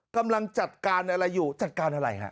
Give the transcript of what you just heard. กำลังจัดการอะไรอยู่จัดการอะไรฮะ